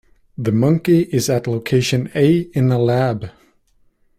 A monkey is at location A in a lab.